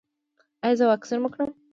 ایا زه واکسین وکړم؟